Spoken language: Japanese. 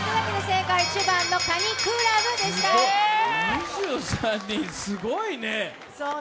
２３人、すごいね。